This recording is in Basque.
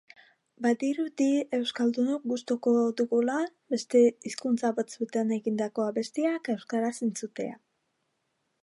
Badirudi euskaldunok gustuko dugula beste hizkuntza batzuetan egindako abestiak euskaraz entzutea.